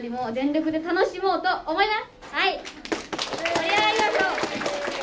盛り上がりましょう！